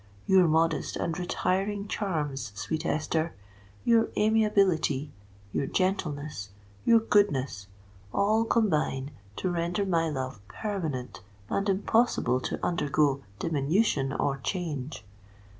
Your modest and retiring charms, sweet Esther—your amiability—your gentleness—your goodness, all combine to render my love permanent and impossible to undergo diminution or change.